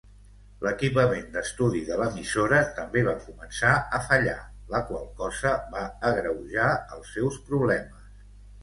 L'equipament d'estudi de l'emissora també va començar a fallar, la qual cosa va agreujar els seus problemes.